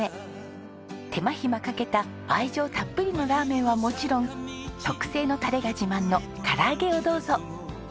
手間暇かけた愛情たっぷりのらーめんはもちろん特製のタレが自慢の唐揚げをどうぞ。